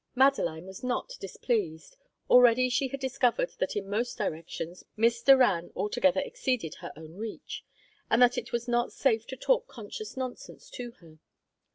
Madeline was not displeased. Already she had discovered that in most directions Miss Doran altogether exceeded her own reach, and that it was not safe to talk conscious nonsense to her.